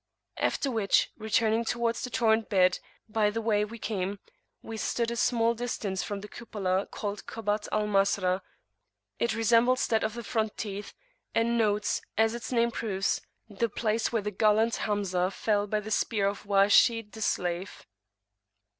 After which, returning towards the torrent bed by the way we came, we stood a small distance from a cupola called Kubbat al Masra. It resembles that of the "Front teeth," and notes, as its name proves, the place where the gallant [p.433]Hamzah fell by the spear of Wahshi the slave.